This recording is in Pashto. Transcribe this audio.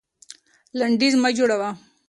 لنډيز مه جوړوه.